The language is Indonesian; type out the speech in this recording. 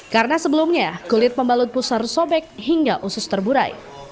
karena sebelumnya kulit pembalut pusar sobek hingga usus terburai